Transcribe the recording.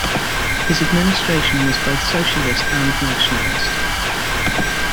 His administration was both socialist and nationalist.